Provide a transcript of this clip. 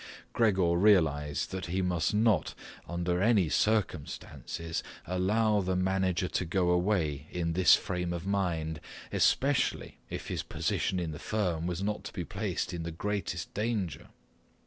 Gregor realized that he must not under any circumstances allow the manager to go away in this frame of mind, especially if his position in the firm was not to be placed in the greatest danger.